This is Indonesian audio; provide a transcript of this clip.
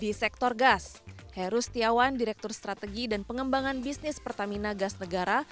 di sektor gas heru setiawan direktur strategi dan pengembangan bisnis pertamina gas negara